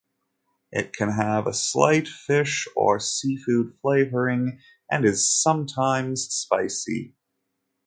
It can have a slight fish or seafood flavoring, and is sometimes spicy.